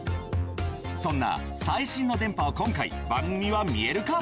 そんな最新の電波を今回番組は見える化。